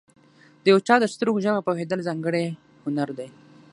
د یو چا د سترګو ژبه پوهېدل، ځانګړی هنر دی.